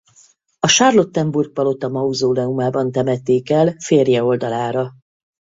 A Charlottenburg-palota mauzóleumában temették el férje oldalára.